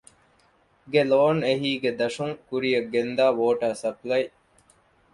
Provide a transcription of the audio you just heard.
ގެ ލޯން އެހީގެ ދަށުން ކުރިއަށްގެންދާ ވޯޓަރ ސަޕްލައި،